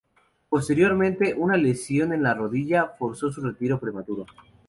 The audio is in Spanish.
Posteriormente, una lesión en la rodilla forzó su retiro prematuro.